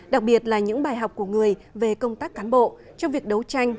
đặc biệt là những bài học của người về công tác cán bộ trong việc đấu tranh